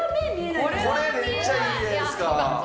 これめっちゃいいじゃないですか。